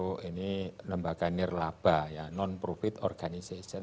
oh ini lembaga nirlaba ya non profit organization